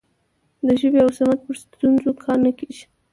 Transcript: د ژبې او سمت پر ستونزو کار نه کیږي.